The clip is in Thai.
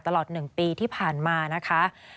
ตลอด๑ปีที่ผ่านมานะคะ